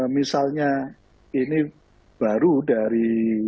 misalnya ini baru dari